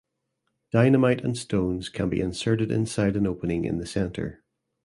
Dynamite and stones can be inserted inside an opening in the center.